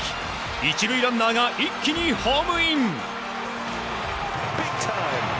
１塁ランナーが一気にホームイン！